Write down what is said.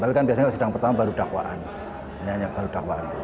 tapi kan biasanya sidang pertama baru dakwaan